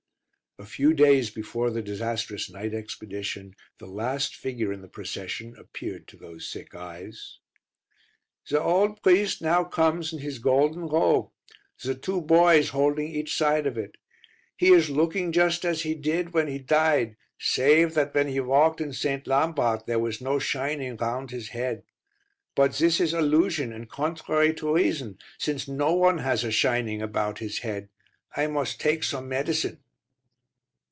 A few days before the disastrous night expedition the last figure in the procession appeared to those sick eyes. The old priest now comes in his golden robe, the two boys holding each side of it. He is looking just as he did when he died, save that when he walked in St. Lambart there was no shining round his head. But this is illusion and contrary to reason, since no one has a shining about his head. I must take some medicine.